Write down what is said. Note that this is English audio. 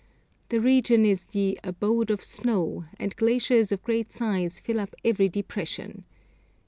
The region is the 'abode of snow,' and glaciers of great size fill up every depression.